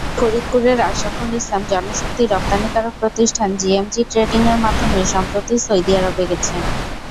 ফরিদপুরের আশরাফুল ইসলাম জনশক্তি রপ্তানিকারক প্রতিষ্ঠান জিএমজি ট্রেডিংয়ের মাধ্যমে সম্প্রতি সৌদি আরবে গেছেন।